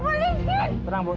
balikin rumah saya balikin